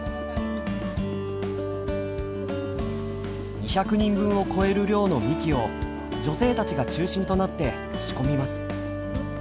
２００人分を超える量のみきを女性たちが中心となって仕込みます。